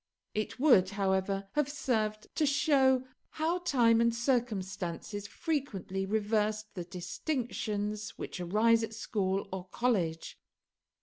It would, however, have served to show how time and circumstances frequently reversed the distinctions which arise at school or college.